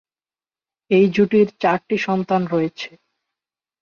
এই জুটির চারটি সন্তান রয়েছে।